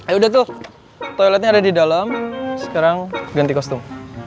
yaudah tuh toiletnya ada di dalam sekarang ganti kostum